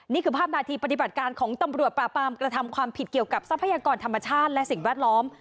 นี่คือภาพนาทีปฏิบัติการของตำรวจปราปามกระทำความผิดเกี่ยวกับทรัพยากรธรรมชาติและสิ่งแวดล้อม